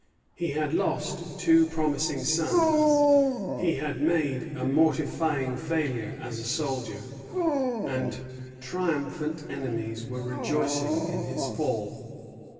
He had lost two promising sons; he had made a mortifying failure as a soldier; and triumphant enemies were rejoicing in his fall.